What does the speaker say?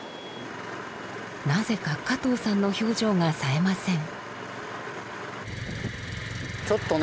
なぜか加藤さんの表情がさえません。